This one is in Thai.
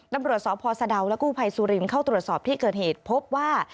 ตำรวจสพสะดาวและกู้ภัยสุรินทร์เข้าตรวจสอบที่เกิดเหตุพบว่า